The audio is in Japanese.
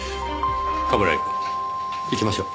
冠城くん行きましょう。